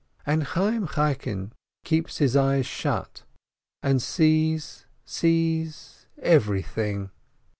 And Chayyim Chaikin keeps his eyes shut, and sees, sees everything.